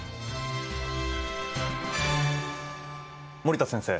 森田先生